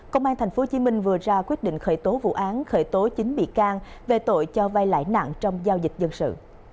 công an tp hcm vừa ra quyết định khởi tố vụ án khởi tố chín bị can về tội cho vai lãi nặng trong giao dịch dân sự